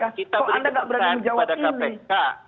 anda punya tanggung jawab publik